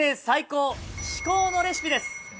最高「至高のレシピ」です。